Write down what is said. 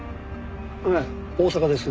ええ大阪です。